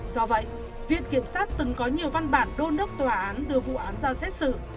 do vậy viện kiểm sát từng có nhiều văn bản đôn đốc tòa án đưa vụ án ra xét xử